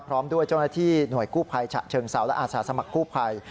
พร้อมด้วยเจ้าหน้าที่หน่วยกู้ภัยฉะเชิงเซาและอาสาสมัครกู้ภัย